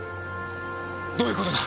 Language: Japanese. どういう事だ！？